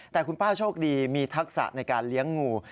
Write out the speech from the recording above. แต่คุณป้าโชคดีมีทักษะในการเลี้ยงงู